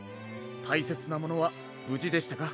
たいせつなものはぶじでしたか？